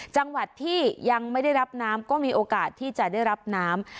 จังหวัดที่ยังไม่ได้รับน้ำก็มีโอกาสที่จะได้รับน้ำ